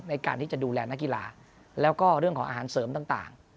ในการที่จะดูแลนักกีฬาแล้วก็เรื่องของอาหารเสริมต่าง